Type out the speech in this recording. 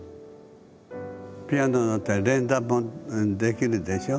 ピアノだったら連弾もできるでしょ。